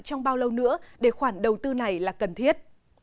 trong bao lâu nữa để khoản đầu tư này là cần thiết